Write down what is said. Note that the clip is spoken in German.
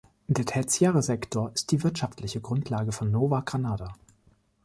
Der tertiäre Sektor ist die wirtschaftliche Grundlage von Nova Granada.